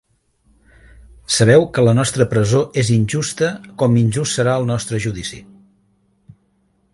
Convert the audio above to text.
Sabeu que la nostra presó és injusta com injust serà el nostre judici.